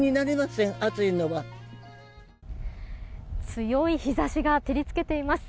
強い日差しが照り付けています。